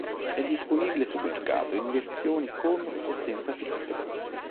È disponibile sul mercato in versioni con o senza filtro.